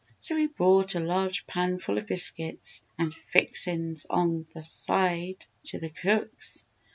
So he brought a large pan full of biscuits and "fixin's on th' side" to the cooks.